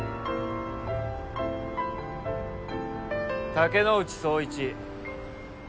竹之内宗一